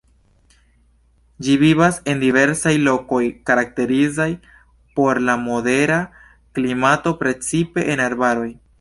Ĝi vivas en diversaj lokoj karakterizaj por la modera klimato, precipe en arbaroj.